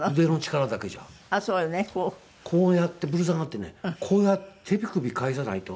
こうやってぶら下がってねこうやって手首返さないと。